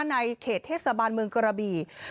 ในเขตเทศบาลเมืองกระบี่